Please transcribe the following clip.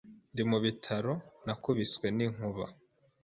Ndi mu bitaro. Nakubiswe n'inkuba.